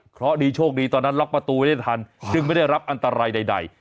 เพราะดีโชคดีตอนนั้นล็อกประตูไว้ได้ทันจึงไม่ได้รับอันตรายใด